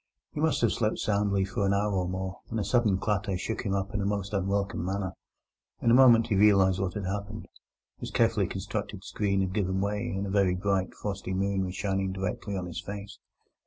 He must have slept soundly for an hour or more, when a sudden clatter shook him up in a most unwelcome manner. In a moment he realized what had happened: his carefully constructed screen had given way, and a very bright frosty moon was shining directly on his face.